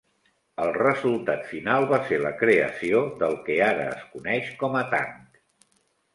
El resultat final va ser la creació del què ara es coneix com a tanc.